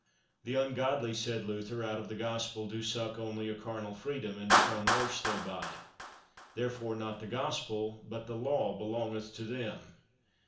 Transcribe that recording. The ungodly, said Luther, out of the Gospel do suck only a carnal freedom, and become worse thereby; therefore not the Gospel, but the Law belongeth to them.